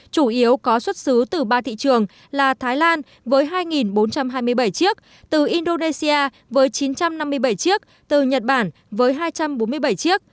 chủ yếu có xuất xứ từ ba thị trường là thái lan với hai bốn trăm hai mươi bảy chiếc từ indonesia với chín trăm năm mươi bảy chiếc từ nhật bản với hai trăm bốn mươi bảy chiếc